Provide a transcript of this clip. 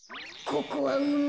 ここはうみ。